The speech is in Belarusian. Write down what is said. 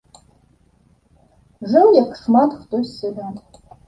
Жыў, як шмат хто з сялян.